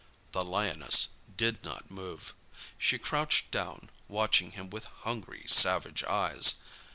The lioness did not move. She crouched down, watching him with hungry, savage eyes.